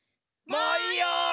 もういいよ！